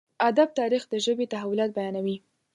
ادب تاريخ د ژبې تحولات بيانوي.